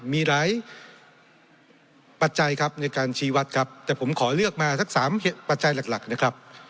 มีหลายปัจจัยครับในการชี้วัดครับแต่ผมขอเลือกมาสัก๓ปัจจัยหลักนะครับ